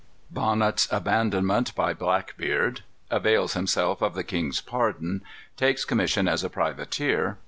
_ Bonnet's Abandonment by Blackbeard. Avails Himself of the King's Pardon. Takes Commission as a Privateer.